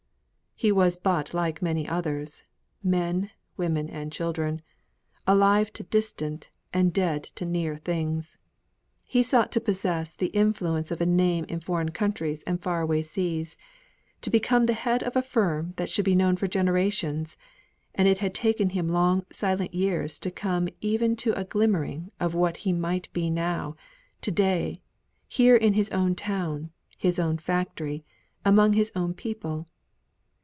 He was but like many others men, women, and children alive to distant, and dead to near things. He sought to possess the influence of a name in foreign countries and far away seas, to become the head of a firm that should be known for generations; and it had taken him long silent years to come even to a glimmering of what he might be now, to day, here in his own town, his own factory, among his own people.